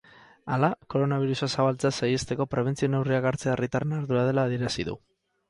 Hala, koronabirusa zabaltzea saihesteko prebentzio neurriak hartzea herritarren ardura dela adierazi du.